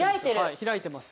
開いてます。